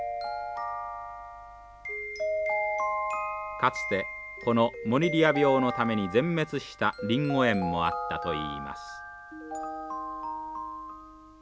かつてこのモニリア病のために全滅したリンゴ園もあったといいます。